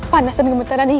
panas dan gemetaran ini